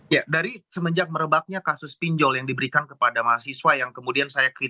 ya dari semenjak merebaknya kasus pinjol yang diberikan kepada mahasiswa yang kemudian saya kritis